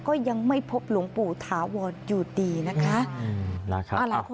ก็ยังไม่พบหลวงปู่ถาวรอยู่ดีนะคะ